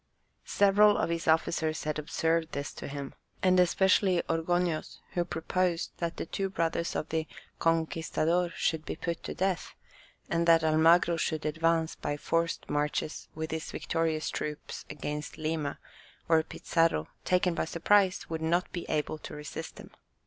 Several of his officers had observed this to him, and especially Orgoños, who proposed that the two brothers of the "conquistador" should be put to death, and that Almagro should advance by forced marches with his victorious troops against Lima, where Pizarro, taken by surprise, would not be able to resist him.